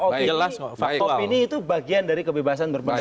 kalau opini itu bagian dari kebebasan berperan